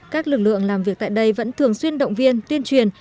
các lực lượng làm việc tại đây vẫn thường xuyên động viên tuyên truyền